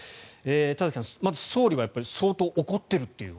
田崎さん、まず総理は相当怒っていると。